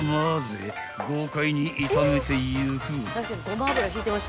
豪快に炒めてゆく］